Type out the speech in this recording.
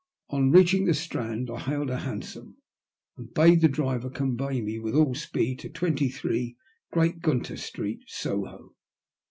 On reaching the Strand I hailed a hansom and bade the driver convey me with all speed to 23, Great Gunter Street, Soho.